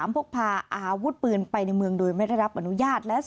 พกพาอาวุธปืนไปในเมืองโดยไม่ได้รับอนุญาต